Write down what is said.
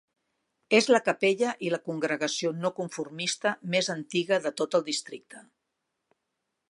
És la capella i la congregació no-conformista més antiga de tot el districte.